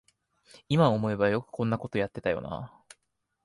いま思えばよくこんなことやってたよなあ